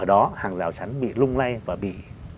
chẳng bị lung lay và bị